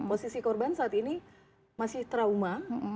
posisi korban saat ini masih trauma